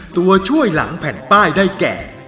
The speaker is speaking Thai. ตัวช่วยหลังแผ่นป้ายได้แก่